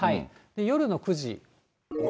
夜の９時。